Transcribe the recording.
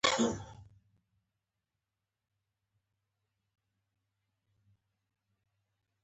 د څاه کیندل تخنیکي کار دی